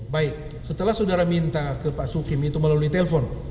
baik setelah saudara minta ke pak sukim itu melalui telepon